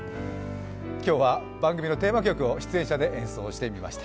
今日は番組のテーマ曲を出演者で演奏してみました。